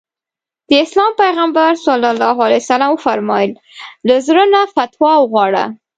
د اسلام پيغمبر ص وفرمايل له زړه نه فتوا وغواړه.